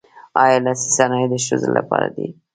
آیا لاسي صنایع د ښځو لپاره دي؟